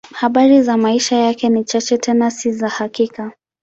Habari za maisha yake ni chache, tena si za hakika.